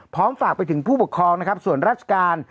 ฝากไปถึงผู้ปกครองนะครับส่วนราชการ